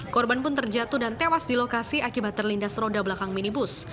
korban pun terjatuh dan tewas di lokasi akibat terlindas roda belakang minibus